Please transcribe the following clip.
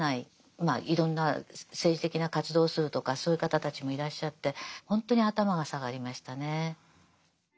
まあいろんな政治的な活動をするとかそういう方たちもいらっしゃってほんとに頭が下がりましたね。